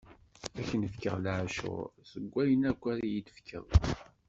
Ad k-n-fkeɣ leɛcuṛ seg wayen akk ara yi-d-tefkeḍ.